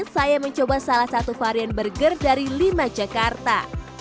saya mencoba salah satu varian burger dari lima jakarta